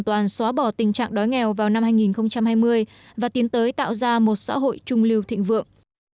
toàn xóa bỏ tình trạng đói nghèo vào năm hai nghìn hai mươi và tiến tới tạo ra một xã hội trung lưu thịnh vượng